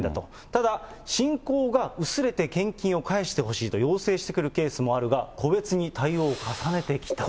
ただ、信仰が薄れて献金を返してほしいと要請してくるケースもあるが、個別に対応を重ねてきた。